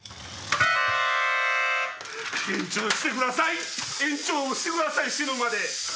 延長してください延長してください死ぬまで。